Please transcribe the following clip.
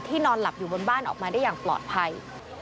นอนหลับอยู่บนบ้านออกมาได้อย่างปลอดภัย